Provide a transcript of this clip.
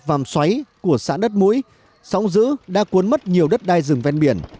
vàm xoáy của xã đất mũi sóng giữ đã cuốn mất nhiều đất đai rừng ven biển